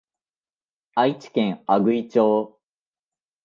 愛知県阿久比町